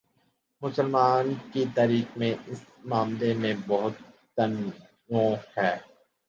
مسلمانوں کی تاریخ میں اس معاملے میں بہت تنوع ہے۔